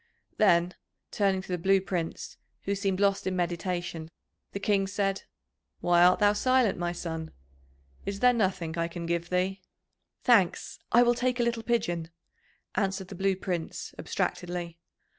Then, turning to the Blue Prince, who seemed lost in meditation, the King said: "Why art thou silent, my son? Is there nothing I can give thee?" "Thanks, I will take a little pigeon," answered the Blue Prince abstractedly.